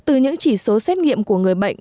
cụ thể từ những chỉ số xét nghiệm của người bệnh